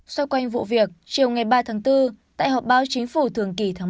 xoay quanh vụ việc chiều ngày ba tháng bốn tại họp báo chính phủ thường kỳ tháng ba